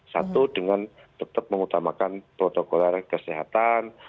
satu dengan tetap mengutamakan protokol kesehatan